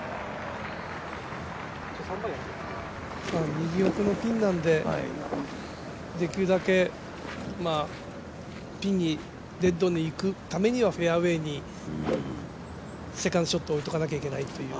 右奥のピンなんでできるだけピンにいくためにはフェアウエーにセカンドショットを置いておかないといけないっていう。